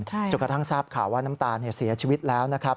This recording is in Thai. จนกระทั่งทราบข่าวว่าน้ำตาลเสียชีวิตแล้วนะครับ